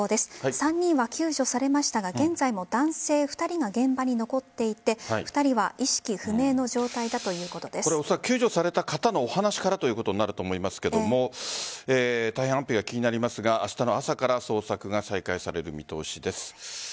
３人は救助されましたが現在は男性２人が現場に残っていて２人は意識不明の救助された方のお話からということになると思いますが大変安否が気になりますが明日の朝から捜索が再開される見通しです。